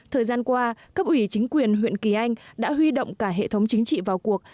thời gian qua cấp ủy chính quyền huyện kỳ anh đã huy động cả hệ thống chính trị vào cuộc